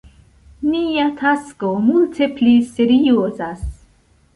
Nia tasko multe pli seriozas!